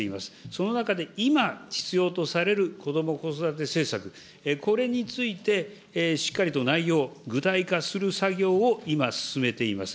その中で、今必要とされるこども・子育て政策、これについてしっかりと内容を具体化する作業を今、進めています。